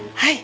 aduh sakit ah